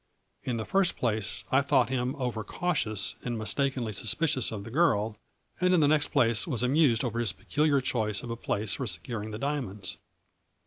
In the first place I thought him over cautious and mistakenly sus picious of the girl, and in the next place was amused over his peculiar choice of a place for securing the diamonds.